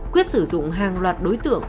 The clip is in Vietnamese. quyết sử dụng hàng loạt đối tượng